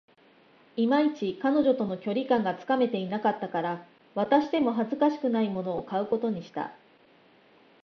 いまいち、彼女との距離感がつかめていなかったから、渡しても恥ずかしくないものを買うことにした